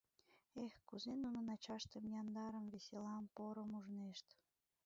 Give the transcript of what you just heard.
Эх, кузе нунын ачаштым яндарым, веселам, порым ужнешт!